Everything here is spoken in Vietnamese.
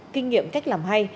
kinh nghiệm cách làm hay